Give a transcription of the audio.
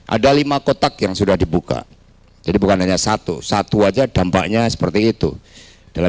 ada lima kotak yang sudah dibuka jadi bukan hanya satu satu aja dampaknya seperti itu dalam